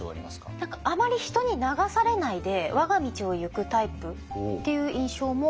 何かあまり人に流されないで我が道を行くタイプっていう印象もありますね。